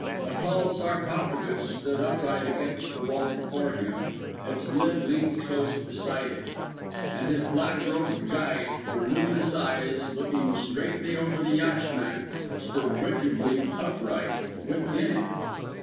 A tall sarcophagus stood upright against the wall before him; its lid leant close beside it ... and his black robed guide, her luminous eyes looking straightly over the yashmak, stood rigidly upright within it!